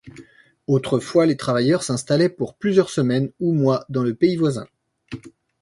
Autrefois les travailleurs s'installaient pour plusieurs semaines ou mois dans le pays voisin.